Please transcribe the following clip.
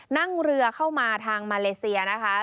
นั่งเรือเข้ามาทางมาเลเซียนะคะ